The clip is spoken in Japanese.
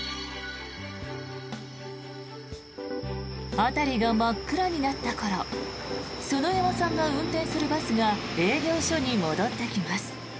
辺りが真っ暗になった頃園山さんが運転するバスが営業所に戻ってきます。